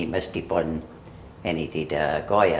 meskipun ini tidak goya